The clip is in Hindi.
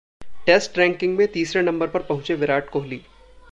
टेस्ट रैंकिंग में तीसरे नंबर पर पहुंचे विराट कोहली